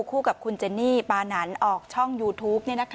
คู่กับคุณเจนี่ปานันออกช่องยูทูป